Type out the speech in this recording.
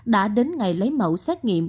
đã đến ngày lấy mẫu xét nghiệm